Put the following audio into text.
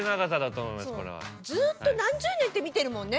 ずっと何十年って見てるもんね